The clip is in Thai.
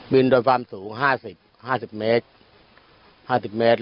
บินโดยความสูง๕๐เมตร